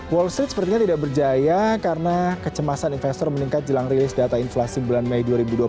wall street sepertinya tidak berjaya karena kecemasan investor meningkat jelang rilis data inflasi bulan mei dua ribu dua puluh